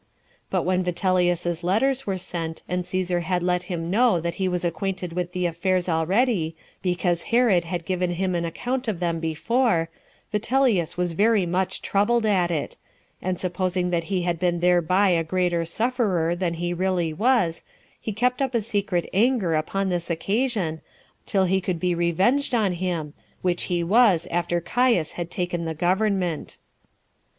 But when Vitellius's letters were sent, and Cæsar had let him know that he was acquainted with the affairs already, because Herod had given him an account of them before, Vitellius was very much troubled at it; and supposing that he had been thereby a greater sufferer than he really was, he kept up a secret anger upon this occasion, till he could be revenged on him, which he was after Caius had taken the government.